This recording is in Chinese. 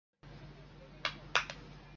事后因公担任金崎城主并就任敦贺郡司。